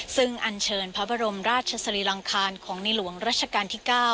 ซึ่งอันเชิญพระบรมราชสรีรังคารของในหลวงราชการที่๙